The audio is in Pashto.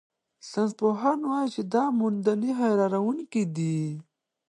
ساینسپوهان وايي چې دا موندنې حیرانوونکې دي.